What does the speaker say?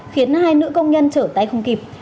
khiến hai nữ công nhân trở tay không kịp